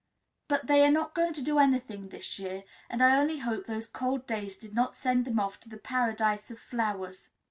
Bur they are not going to do anything this year, and I only hope those cold days did not send them off to the Paradise of flowers.